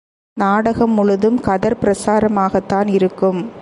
நாடகம் முழுதும் கதர் பிரசாரமாகத்தான் இருக்கும்.